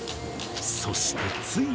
そしてついに本番。